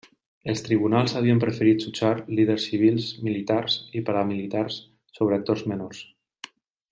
Els tribunals havien preferit jutjar líders civils, militars i paramilitars sobre actors menors.